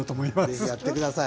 ぜひやって下さい。